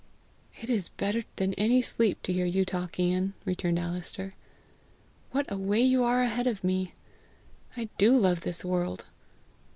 "It is better than any sleep to hear you talk, Ian," returned Alister. "What a way you are ahead of me! I do love this world!